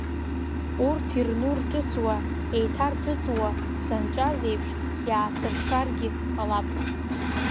Урҭ ирну рҿыцуа, еиҭарҿыцуа, санҿаз еиԥш, иаасыршаргь ҟалап.